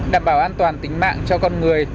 đảm bảo an toàn tính mạng cho con người